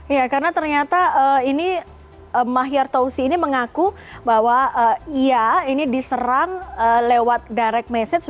ya karena ternyata ini mahyar tausi ini mengaku bahwa ia ini diserang lewat direct message